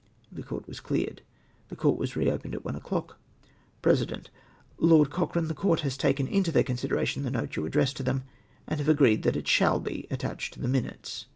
The Court was cleared. The Court was re opened at one o'clock. President. —" Lord Cochrane, the Com t have taken into their consideration the note you addressed to them, and have ao; reed that it shall be attached to the Minutes."